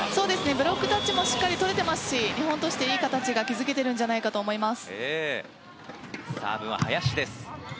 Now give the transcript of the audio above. ブロックタッチもしっかりとれているし日本としてはいい形が築けているんじゃないかと思います。